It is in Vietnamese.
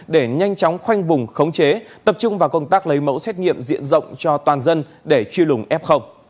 để nhanh chóng khoanh vùng khống chế tập trung vào công tác lấy mẫu xét nghiệm diện rộng cho toàn dân để truy lùng f